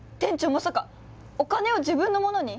まさかお金を自分のものに？